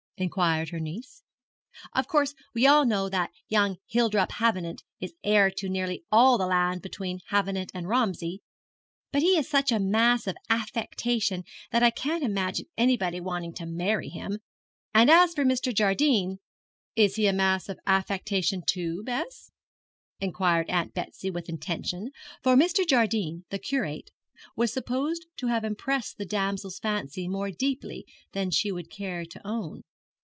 inquired her niece. 'Of course we all know that young Hildrop Havenant is heir to nearly all the land between Havenant and Romsey; but he is such a mass of affectation that I can't imagine anybody wanting to marry him. And as for Mr. Jardine ' 'Is he a mass of affectation, too, Bess?' inquired Aunt Betsy with intention, for Mr. Jardine, the curate, was supposed to have impressed the damsel's fancy more deeply than she would care to own.